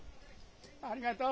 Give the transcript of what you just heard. ありがとう。